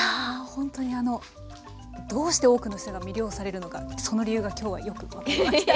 ほんとにあのどうして多くの人が魅了されるのかその理由が今日はよく分かりました。